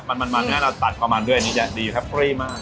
มันให้เราตัดความมันด้วยอันนี้จะดีแฟฟลี่มาก